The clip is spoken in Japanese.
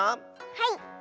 はい。